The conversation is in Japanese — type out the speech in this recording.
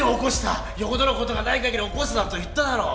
よほどのことがないかぎり起こすなと言っただろ。